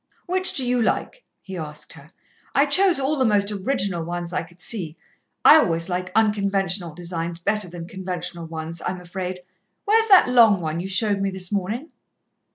"Which do you like?" he asked her. "I chose all the most original ones I could see. I always like unconventional designs better than conventional ones, I'm afraid. Where's that long one you showed me this morning?"